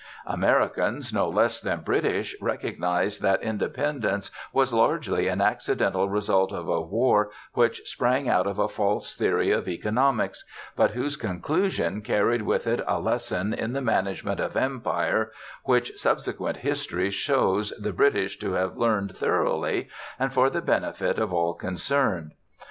Americans, no less than British, recognize that independence was largely an accidental result of a war which sprang out of a false theory of economics, but whose conclusion carried with it a lesson in the management of empire which subsequent history shows the British to have learned thoroughly and for the benefit of all concerned.